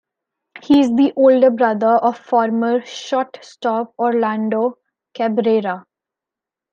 He is the older brother of former shortstop Orlando Cabrera.